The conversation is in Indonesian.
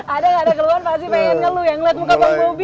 ada nggak ada keluhan pasti pengen ngeluh ya ngeliat muka pangkubi kan ngeluh